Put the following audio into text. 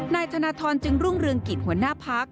นายธนทรจึงรุ่งเรืองกิจหัวหน้าพัก